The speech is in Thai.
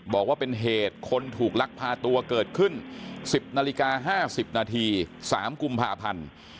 บอกว่าเป็นเหตุคนถูกลักพาตัวเกิดขึ้น๑๐นาฬิกา๕๐นาที๓กุมภาพันธ์